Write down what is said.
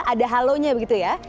ada halonya begitu ya